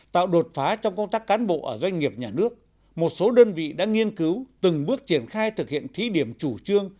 tạo đột phá trong công tác cán bộ ở doanh nghiệp nhà nước một số đơn vị đã nghiên cứu từng bước triển khai thực hiện thí điểm chủ trương